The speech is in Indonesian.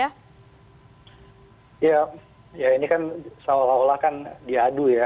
ya ini kan seolah olah kan diadu ya